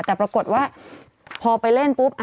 แต่ปรากฏว่าพอไปเล่นปุ๊บ